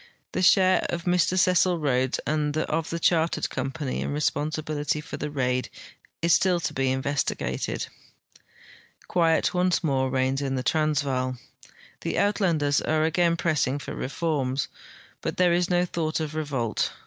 The share of Mr Cecil Rhodes and of the Chartered Company in responsibility for the raid is still to be investigated. Quiet once more reigns in the Transvaal. The Uitlanders are again pressing for reforms, but there is no thought of revolt.